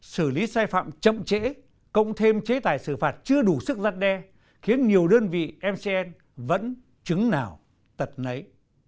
xử lý sai phạm chậm trễ cộng thêm chế tài xử phạt chưa đủ sức giăn đe khiến nhiều đơn vị mcn vẫn chứng nào tật nấy